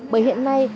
bởi hiện nay